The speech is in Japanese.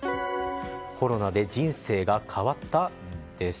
コロナで人生が変わった？です。